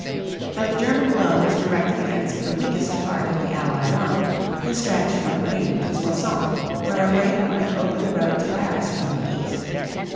But the German blow was directed against the weakest part of the Allied line, the stretch from Rheims to Soissons, where a break might open the road to Paris from the east.